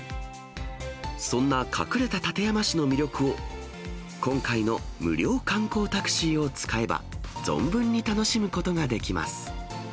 そんな隠れた館山市の魅力を、今回の無料観光タクシーを使えば、存分に楽しむことができます。